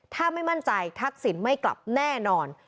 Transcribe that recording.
ถ้าไม่มั่นใจทักษิณไม่กลับแน่นอน